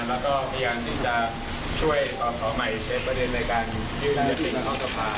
แล้วก็พยายามที่จะช่วยสอบสอบใหม่เช็คประเด็นในการยื่นยังสิ่งท่องสภา